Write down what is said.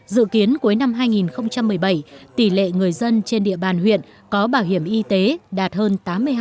dự kiến cuối năm hai nghìn một mươi bảy tỷ lệ người dân trên địa bàn huyện có bảo hiểm y tế đạt hơn tám mươi hai